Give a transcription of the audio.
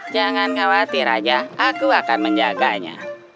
jangan khawatir aja aku akan menjaganya